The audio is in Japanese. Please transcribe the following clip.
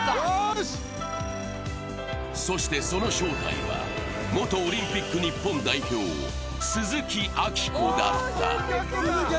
そして、その正体は元オリンピック日本代表・鈴木明子だった。